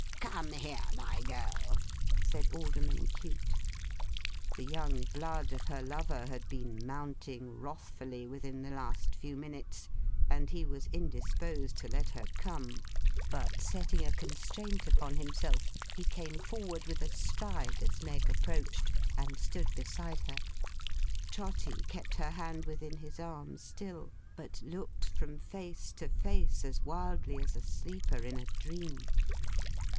'Come here, my girl!' said Alderman Cute. The young blood of her lover had been mounting, wrathfully, within the last few minutes; and he was indisposed to let her come. But, setting a constraint upon himself, he came forward with a stride as Meg approached, and stood beside her. Trotty kept her hand within his arm still, but looked from face to face as wildly as a sleeper in a dream.